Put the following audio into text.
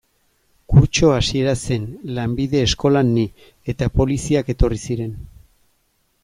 Kurtso hasiera zen, lanbide eskolan ni, eta poliziak etorri ziren.